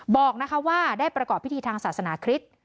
บอกว่าได้ประกอบพิธีทางศาสนาคริสต์